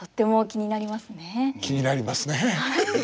気になりますね。